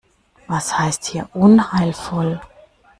Was heißt hier unheilvoll?